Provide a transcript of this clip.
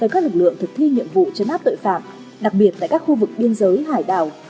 các lực lượng thực thi nhiệm vụ chấn áp tội phạm đặc biệt tại các khu vực biên giới hải đảo